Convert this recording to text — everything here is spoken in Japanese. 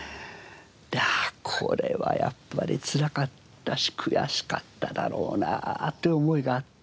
ああこれはやっぱりつらかったし悔しかっただろうなっていう思いがあって。